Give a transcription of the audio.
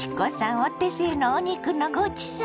お手製のお肉のごちそう！